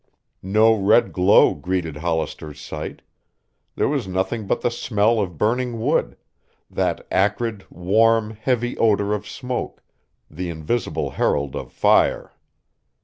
No red glow greeted Hollister's sight. There was nothing but the smell of burning wood, that acrid, warm, heavy odor of smoke, the invisible herald of fire.